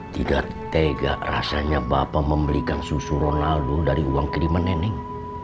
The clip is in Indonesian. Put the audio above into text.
tidak tega rasanya bapak memberikan susu ronaldo dari uang kiriman nenek